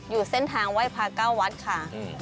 อยู่เส้นทางไหว้พระเก้าวัดค่ะ